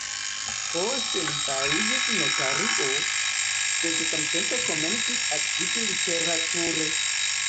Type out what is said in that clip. Poste li fariĝis notario, sed samtempe komencis aktivi literature.